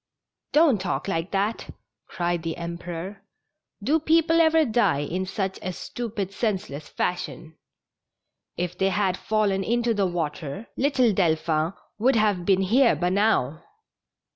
'' Don't talk like that! " cried the Emperor. '' Do peo ple ever die in such a stupid, senseless fasliion? If they had fallen into the water, little Delphin would have been here by now."